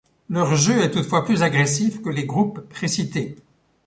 Leur jeu est toutefois plus agressif que les groupes précités.